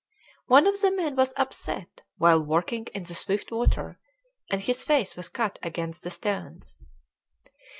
One of the men was upset while working in the swift water, and his face was cut against the stones.